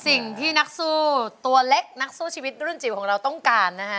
สิ่งที่นักสู้ตัวเล็กนักสู้ชีวิตรุ่นจิ๋วของเราต้องการนะฮะ